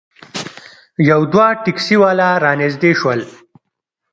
یو دوه ټیکسي والا رانږدې شول.